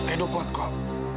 edo kuat kok